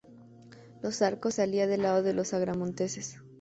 Los Arcos se alía del lado de los agramonteses.